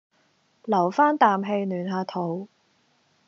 留返啖氣暖下肚